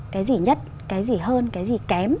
cái gì nhất cái gì hơn cái gì kém